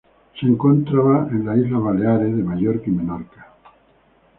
Se encontraba en las Islas Baleares de Mallorca y Menorca.